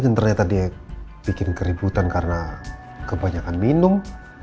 dan ternyata dia bikin keributan karena kebanyakan minum